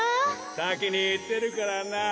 さきにいってるからな。